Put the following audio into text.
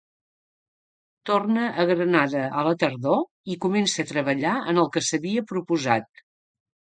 Torna a Granada a la tardor i comença a treballar en el que s'havia proposat.